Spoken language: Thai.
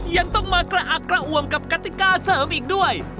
ยังต้องมากระอักกระอ่วมกับกติกาเสริมอีกด้วย